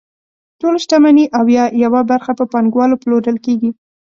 ټوله شتمني او یا یوه برخه په پانګوالو پلورل کیږي.